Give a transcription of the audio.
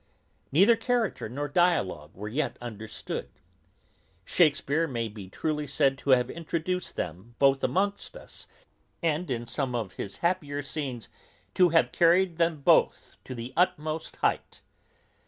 Neither character nor dialogue were yet understood. Shakespeare may be truly said to have introduced them both amongst us, and in some of his happier scenes to have carried them both to the utmost height.